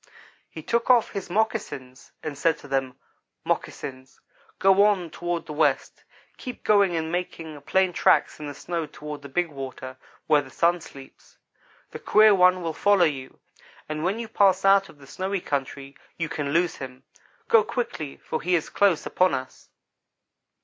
"He took off his moccasins and said to them: 'Moccasins, go on toward the west. Keep going and making plain tracks in the snow toward the big water where the Sun sleeps. The queer one will follow you, and when you pass out of the snowy country, you can lose him. Go quickly for he is close upon us.'